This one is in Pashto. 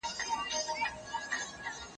ايا ته کتاب ليکې،